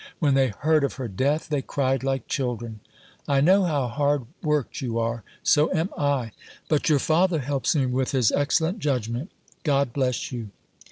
When they heard of her death, they cried like children. I know how hard worked you are. So am I. But your Father helps me with his excellent judgment. God bless you.